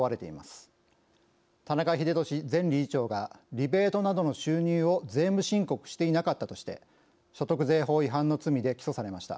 田中英壽前理事長がリベートなどの収入を税務申告していなかったとして所得税法違反の罪で起訴されました。